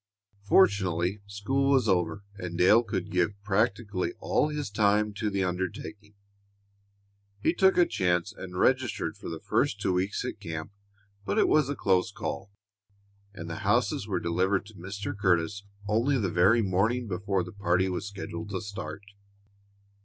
Fortunately, school was over and Dale could give practically all his time to the undertaking. He took a chance and registered for the first two weeks at camp, but it was a close call, and the houses were delivered to Mr. Curtis only the very morning before the party was scheduled to start.